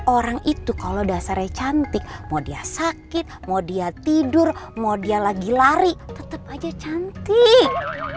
orang itu kalau dasarnya cantik mau dia sakit mau dia tidur mau dia lagi lari tetap aja cantik